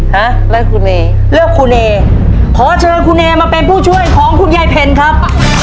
ฮะแล้วคุณเอเลือกคุณเอขอเชิญคุณเอมาเป็นผู้ช่วยของคุณยายเพลครับ